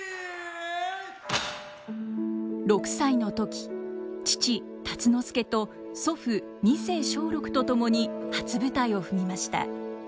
６歳の時父辰之助と祖父二世松緑と共に初舞台を踏みました。